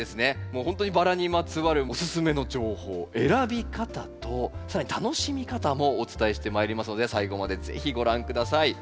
もうほんとにバラにまつわるおすすめの情報選び方と更に楽しみ方もお伝えしてまいりますので最後まで是非ご覧下さい。